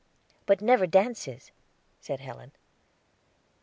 "But never dances," said Helen.